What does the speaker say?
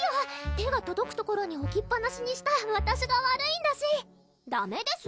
手がとどく所におきっぱなしにしたわたしが悪いんだしダメです